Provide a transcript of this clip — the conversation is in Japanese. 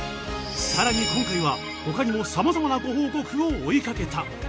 更に今回は他にもさまざまなご報告を追いかけた。